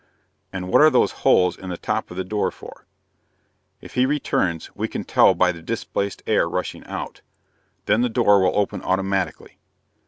"And what are those holes in the top of the door for?" "If he returns, we can tell by the displaced air rushing out. Then the door will open automatically."